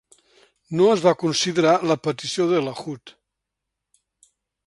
No es va considerar la petició de Lahoud.